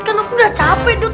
kan aku udah capek dok